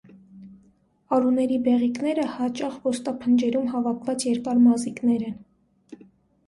Արուների բեղիկները հաճախ ոստափնջերում հավաքված երկար մազիկներ են։